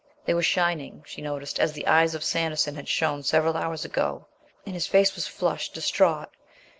They were shining, she noticed, as the eyes of Sanderson had shone several hours ago; and his face was flushed, distraught.